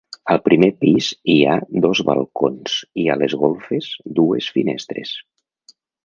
Al primer pis hi ha dos balcons i a les golfes dues finestres.